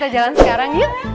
kita jalan sekarang yuk